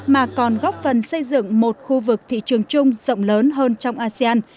mà còn góp phần xây dựng một khu vực thị trường chung rộng lớn hơn trong asean